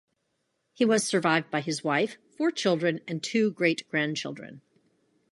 He was survived by his wife, four children, and two great-grandchildren.